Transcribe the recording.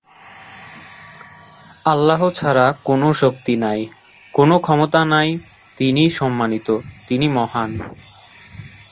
আল্লাহ ছাড়া কোনো শক্তি নাই, কোনো ক্ষমতা নাই, তিনি সম্মানিত, তিনি মহান।